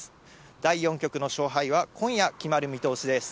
第４局の勝敗は今夜決まる見通しです。